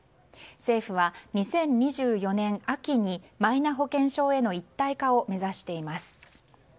政府は２０２４年秋にマイナ保険証への一体化を目指しています。